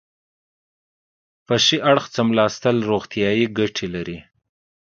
په ښي اړخ څملاستل روغتیایي ګټې لري.